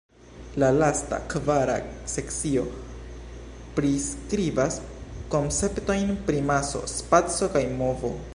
La lasta, kvara sekcio priskribas konceptojn pri maso, spaco kaj movo.